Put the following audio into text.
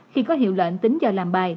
khi có hiệu lệnh tính giờ làm bài